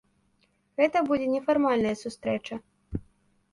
Гэта будзе нефармальная сустрэча.